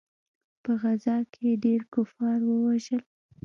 په غزا کښې يې ډېر کفار ووژل.